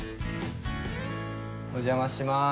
お邪魔します。